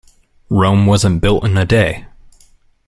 Rome wasn't built in a day.